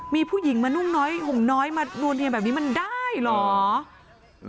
มีผู้หญิงมานุ่งน้อยห่มน้อยมานวลเนียมแบบนี้มันได้เหรอ